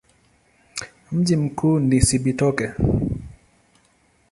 Mji mkuu ni Cibitoke.